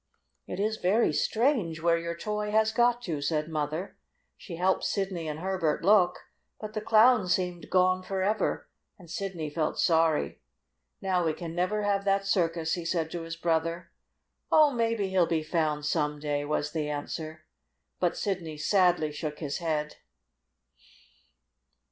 "It is very strange where your toy has got to," said Mother. She helped Sidney and Herbert look, but the Clown seemed gone forever, and Sidney felt sorry. "Now we can never have that circus," he said to his brother. "Oh, maybe he'll be found some day," was the answer. But Sidney sadly shook his head.